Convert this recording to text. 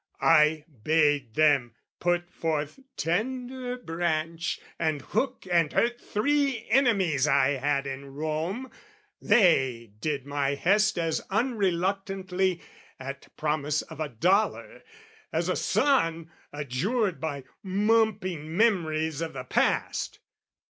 I bade them put forth tender branch, and hook And hurt three enemies I had in Rome: They did my hest as unreluctantly, At promise of a dollar, as a son Adjured by mumping memories of the past!